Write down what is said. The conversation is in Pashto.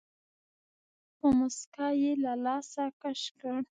په موسکا يې له لاسه کش کړ.